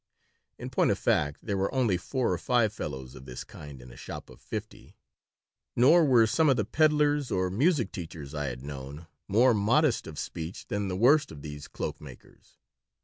In point of fact, there were only four or five fellows of this kind in a shop of fifty. Nor were some of the peddlers or music teachers I had known more modest of speech than the worst of these cloak makers.